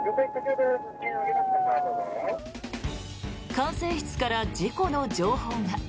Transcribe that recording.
管制室から事故の情報が。